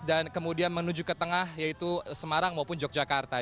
dan kemudian menuju ke tengah yaitu semarang maupun yogyakarta